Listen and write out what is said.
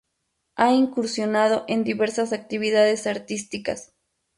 Ha incursionado en diversas actividades artísticas.